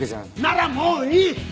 ならもういい！